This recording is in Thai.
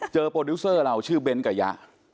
โปรดิวเซอร์เราชื่อเน้นกะยะ